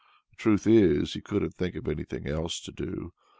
The truth is, he couldn't think of anything else to do.